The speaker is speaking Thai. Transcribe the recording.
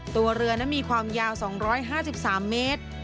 ตัวเรือนั้นมีความยาว๒๕๓เมตร